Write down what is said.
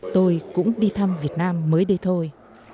tôi cũng đi thăm việt nam mới đây thôi